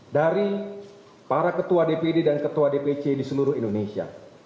dari para ketua dpd dan ketua dpc di seluruh indonesia